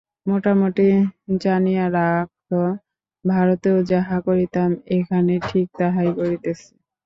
মোটামুটি জানিয়া রাখ, ভারতেও যাহা করিতাম, এখানে ঠিক তাহাই করিতেছি।